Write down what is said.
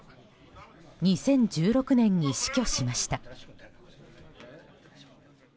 ２０１６年に死去しました。